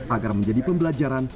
agar menjadi pembelajaran